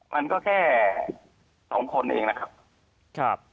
มันก็แค่สองคนเองนะครับ